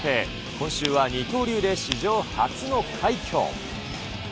今週は二刀流で史上初の快挙。